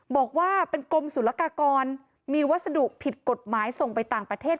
บอกว่าเป็นกรมศุลกากรมีวัสดุผิดกฎหมายส่งไปต่างประเทศ